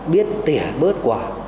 biết tỉa bớt quả